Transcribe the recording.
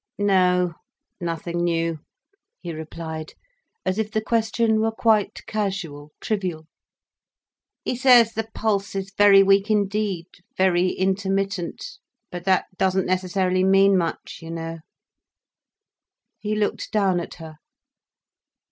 "No—nothing new," he replied, as if the question were quite casual, trivial. "He says the pulse is very weak indeed, very intermittent—but that doesn't necessarily mean much, you know." He looked down at her.